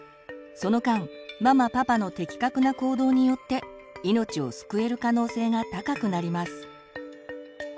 その間ママ・パパの的確な行動によって命を救える可能性が高くなります。